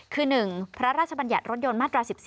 คือ๑พระราชบัญญัติรถยนต์มาตรา๑๔